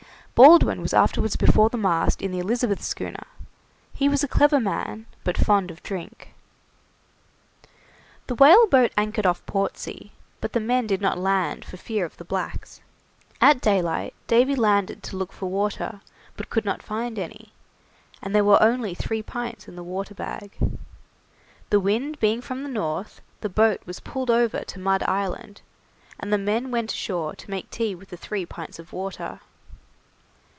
Baldwin was afterwards before the mast in the 'Elizabeth' schooner; he was a clever man, but fond of drink. The whaleboat anchored off Portsea, but the men did not land for fear of the blacks. At daylight Davy landed to look for water, but could not find any; and there were only three pints in the water bag. The wind being from the north, the boat was pulled over to Mud Island, and the men went ashore to make tea with the three pints of water.